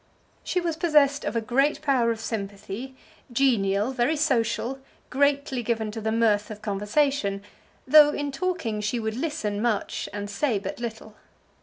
She was possessed of a great power of sympathy, genial, very social, greatly given to the mirth of conversation, though in talking she would listen much and say but little.